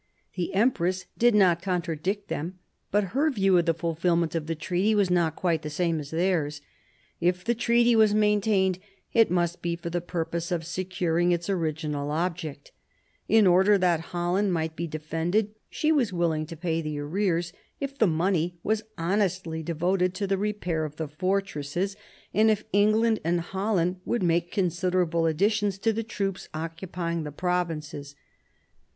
The empress did not contradict them, but her view of the fulfilment of the treaty was not quite the same as theirs. If the treaty was maintained, it must be for the purpose of securing its original object In order that Holland might be defended, she was willing to pay the arrears, if the money was honestly devoted to the repair of the fortresses, and if England and Holland would make considerable additions to the. troops occupying the provinces.